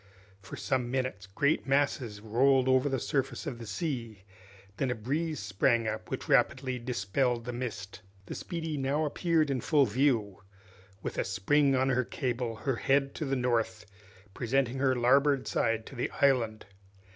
For some minutes great masses rolled over the surface of the sea, then a breeze sprang up, which rapidly dispelled the mist. The "Speedy" now appeared in full view, with a spring on her cable, her head to the north, presenting her larboard side to the island.